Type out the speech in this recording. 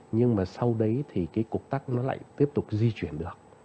nhưng mà sau đấy thì cái cuộc tắt nó lại tiếp tục di chuyển được